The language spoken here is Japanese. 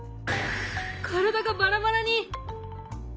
体がバラバラに！